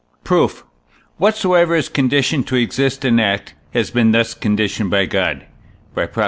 Proof. Whatsoever is conditioned to exist and act, has been thus conditioned by God (by Prop.